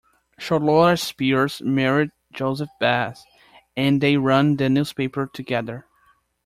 Charlotta Spears married Joseph Bass, and they ran the newspaper together.